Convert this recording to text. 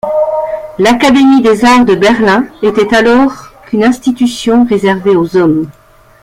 L’Académie des arts de Berlin était alors qu'une institution réservée aux hommes.